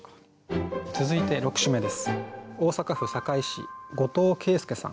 続いて６首目です。